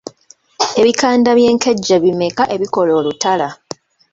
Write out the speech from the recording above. Ebikanda by’enkejje bimeka ebikola olutala?